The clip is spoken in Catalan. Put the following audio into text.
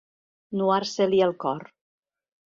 Nuar-se-li el cor.